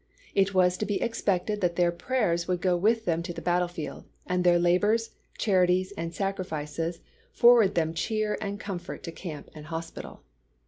It was to be expected that their prayers would go with them to the battlefield, and their labors, charities, and sacrifices forward them cheer and comfort to camp and hospital.